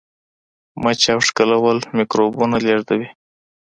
مچه او ښکلول میکروبونه لیږدوي.